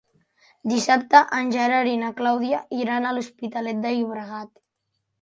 Dissabte en Gerard i na Clàudia iran a l'Hospitalet de Llobregat.